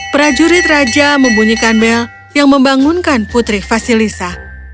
prajurit raja membunyikan mel yang membangunkan putri vasilisa